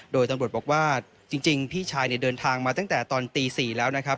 โดยตำรวจบอกว่าจริงพี่ชายเนี่ยเดินทางมาตั้งแต่ตอนตี๔แล้วนะครับ